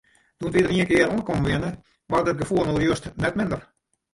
Doe't wy dêr ienkear oankommen wiene, waard dat gefoel no just net minder.